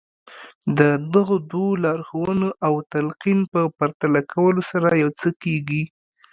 د دغو دوو لارښوونو او تلقين په پرتله کولو سره يو څه کېږي.